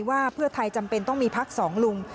ว่าเพื่อไทยจำเป็นต้องมีพักสองลุง